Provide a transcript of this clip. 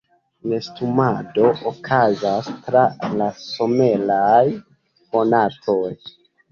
Nestumado okazas tra la someraj monatoj.